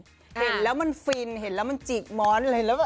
เห็นแล้วมันฟินเห็นแล้วมันจิกม้อนอะไรแล้วแบบ